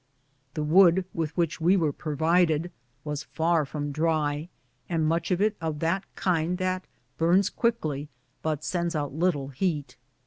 The wood with which we were provided was far from dry, and much of it of that kind that burns quickly but sends out little heat.